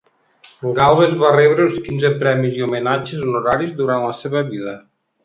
Galvez va rebre uns quinze premis i homenatges honoraris durant la seva vida.